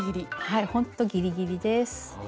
はいほんとギリギリです。